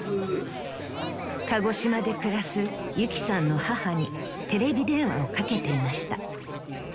［鹿児島で暮らすゆきさんの母にテレビ電話をかけていました］